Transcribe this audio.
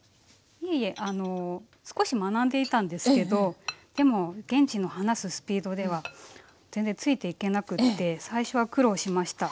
いえいえ少し学んでいたんですけどでも現地の話すスピードでは全然ついていけなくって最初は苦労しました。